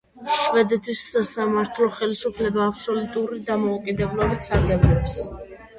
შვედეთის სასამართლო ხელისუფლება აბსოლუტური დამოუკიდებლობით სარგებლობს.